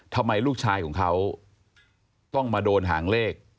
ทำไมลูกชายของเขาต้องมาโดนหางเลข